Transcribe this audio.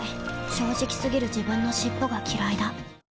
正直過ぎる自分の尻尾がきらいだ